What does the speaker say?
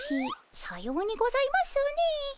さようにございますねえ。